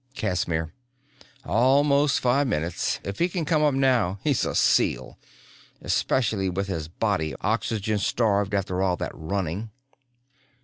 Casimir: "Almost five minutes. If he can come up now he's a seal. Especially with his body oxygen starved after all that running."